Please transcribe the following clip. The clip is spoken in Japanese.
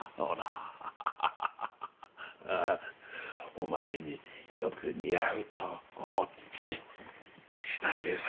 お前によく似合うと思って仕立てさせたんだよ。